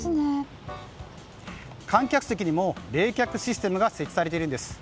観客席にも冷却システムが設置されているんです。